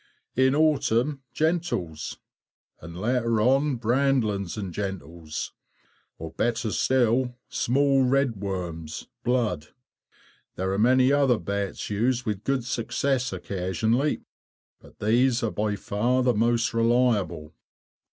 In autumn, gentles, and later on brandlings and gentles, or better still, small red worms, "blood." There are many other baits used with good success occasionally, but these are by far the most reliable.